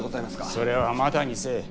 それはまたにせい。